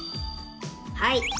はい。